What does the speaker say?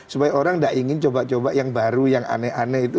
supaya orang tidak ingin coba coba yang baru yang aneh aneh itu